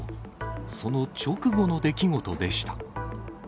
その直後の出来事でした。